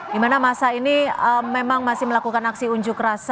dimana massa ini memang masih melakukan aksi unjuk rasa